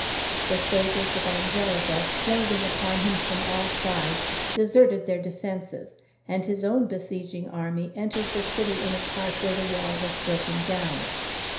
The soldiers of Angelica, closing upon him from all sides, deserted their defences; and his own besieging army entered the city in a part where the wall was broken down.